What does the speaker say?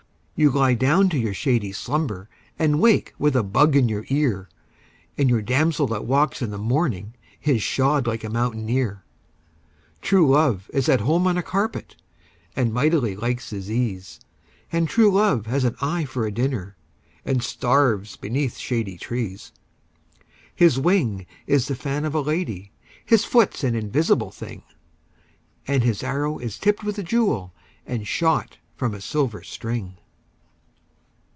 You lie down to your shady slumber And wake with a bug in your ear, And your damsel that walks in the morning Is shod like a mountaineer. True love is at home on a carpet, And mightily likes his ease And true love has an eye for a dinner, And starves beneath shady trees. His wing is the fan of a lady, His foot's an invisible thing, And his arrow is tipped with a jewel, And shot from a silver string.